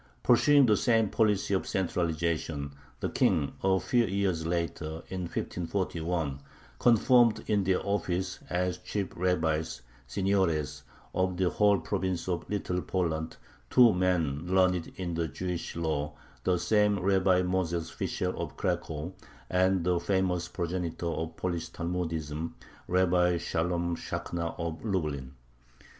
Pursuing the same policy of centralization, the King, a few years later, in 1541, confirmed in their office as chief rabbis (seniores) of the whole province of Little Poland two men "learned in the Jewish law," the same Rabbi Moses Fishel of Cracow, and the famous progenitor of Polish Talmudism, Rabbi Shalom Shakhna of Lublin.